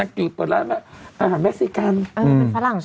ฝรั่งใช่มั้ยครับ